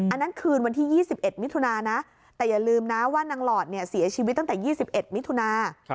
อันนั้นคืนวันที่๒๑มิถุนานะแต่อย่าลืมนะว่านางหลอดเสียชีวิตตั้งแต่๒๑มิถุนา